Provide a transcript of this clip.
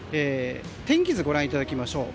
天気図をご覧いただきましょう。